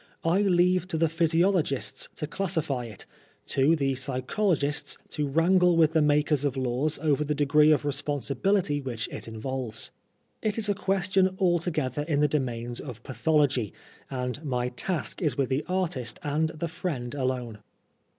I leave to the physiologists to classify it, to the psychologists to wrangle with the makers of laws over the degree of responsibility which it involves. It is a question altogether in the domains of pathology, and my task is with the artist and the friend alone.